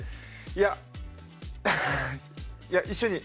いや、一緒に。